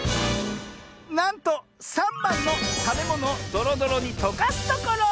なんと３ばんの「たべものをどろどろにとかすところ」！